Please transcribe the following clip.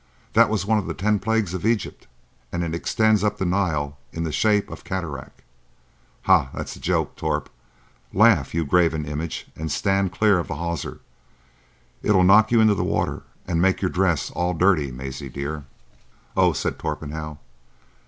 That was one of the ten plagues of Egypt, and it extends up the Nile in the shape of cataract. Ha! that's a joke, Torp. Laugh, you graven image, and stand clear of the hawser.... It'll knock you into the water and make your dress all dirty, Maisie dear." "Oh!" said Torpenhow.